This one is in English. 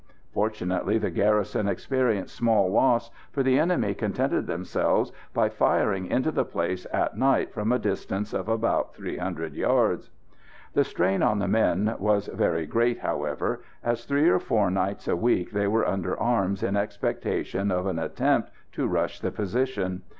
Fortunately, the garrison experienced small loss, for the enemy contented themselves by firing into the place at night from a distance of about 300 yards. The strain on the men was very great, however, as three or four nights a week they were under arms in expectation of an attempt to rush the position.